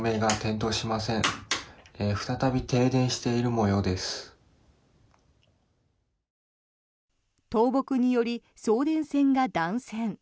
倒木により送電線が断線。